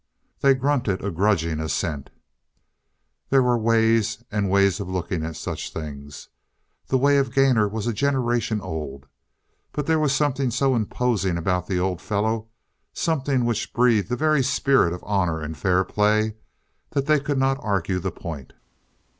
They grunted a grudging assent. There were ways and ways of looking at such things. The way of Gainor was a generation old. But there was something so imposing about the old fellow, something which breathed the very spirit of honor and fair play, that they could not argue the point.